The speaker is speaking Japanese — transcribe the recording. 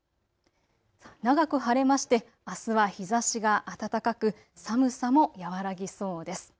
長く晴れましてあすは日ざしが暖かく寒さも和らぎそうです。